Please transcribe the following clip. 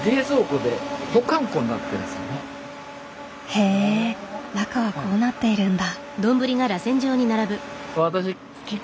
へえ中はこうなっているんだ。